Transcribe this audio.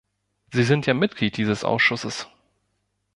Sie sind ja Mitglied dieses Ausschusses.